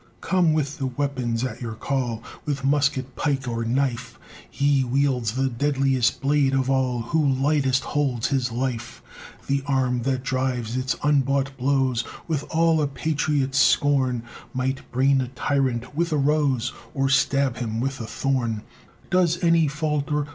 Come with the weapons at your call With musket, pike, or knife; He wields the deadliest blade of all Who lightest holds his life. The arm that drives its unbought blows With all a patriot's scorn, Might brain a tyrant with a rose Or stab him with a thorn. Does any falter?